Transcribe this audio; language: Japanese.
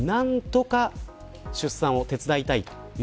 何とか出産を手伝いたい。